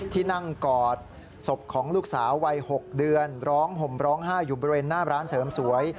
ที่นั่งกอดศพของลูกสาววัย๖เดือนร้องห่มร้องไห้อยู่บริเวณหน้าร้านเสริมสวย